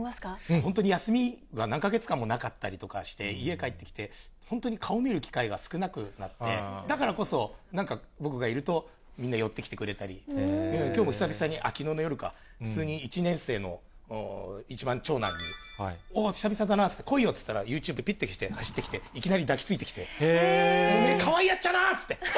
本当に休みは何か月間とかもなかったりとかして、家帰ってきて、本当に顔見る機会が少なくなって、だからこそ、なんか僕がいると、みんな寄ってきてくれたり、きょうも久々に、きのうの夜か、普通に１年生の一番長男に、おお、久々だなって、来いよって言ったら、ユーチューブ、ぴってして、走ってきて、抱きついてきて、かわいいやっちゃな！って。